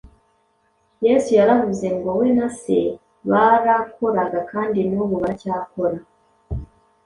Yesu yaravuze ngo we na Se barakoraga kandi n’ubu baracyakora.